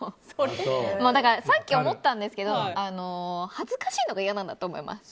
さっき思ったんですけど恥ずかしいのが嫌なんだと思います。